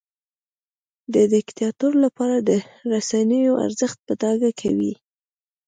د دیکتاتور لپاره د رسنیو ارزښت په ډاګه کوي.